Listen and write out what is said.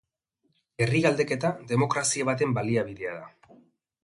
Herri galdeketa demokrazia baten baliabidea da.